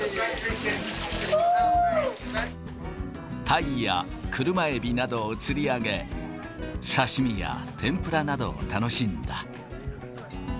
たいや車えびなどを釣り上げ、刺身や天ぷらなどを楽しんだ。